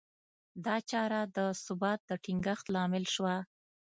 دا چاره د ثبات د ټینګښت لامل شوه.